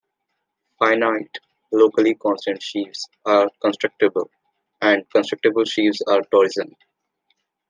Finite locally constant sheaves are constructible, and constructible sheaves are torsion.